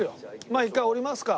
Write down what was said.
まあ一回降りますか。